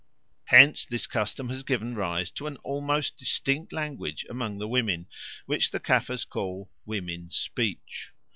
Hence this custom has given rise to an almost distinct language among the women, which the Caffres call "women's speech."